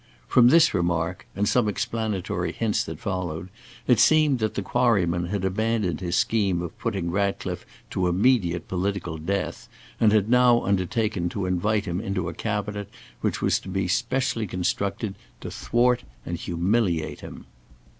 From this remark and some explanatory hints that followed, it seemed that the Quarryman had abandoned his scheme of putting Ratcliffe to immediate political death, and had now undertaken to invite him into a Cabinet which was to be specially constructed to thwart and humiliate him.